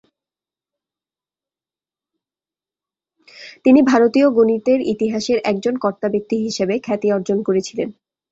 তিনি ভারতীয় গণিতের ইতিহাসের একজন কর্তাব্যক্তি হিসাবে খ্যাতি অর্জন করেছিলেন।